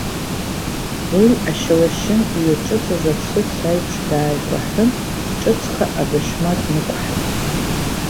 Уи, ашьалашьын иҩаҿыҵыз ацәыцә аиԥш, дааикәаҳәын, ҿыцха адашьма днықәҳаит.